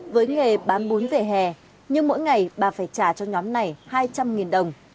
với nghề bán bún vỉa hè nhưng mỗi ngày bà phải trả cho nhóm này hai trăm linh đồng